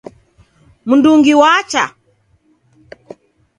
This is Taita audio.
Mndungi wacha?